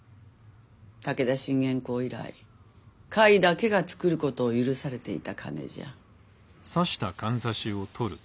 武田信玄公以来甲斐だけが造ることを許されていた金じゃ。